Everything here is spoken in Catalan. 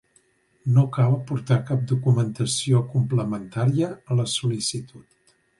No cal aportar cap documentació complementària a la sol·licitud.